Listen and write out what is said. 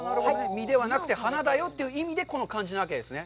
実では無くて花だよという意味でこの感じなわけですね？